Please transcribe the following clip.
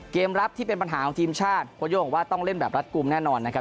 เกมรับที่เป็นปัญหาของทีมชาติโค้โย่งบอกว่าต้องเล่นแบบรัดกลุ่มแน่นอนนะครับ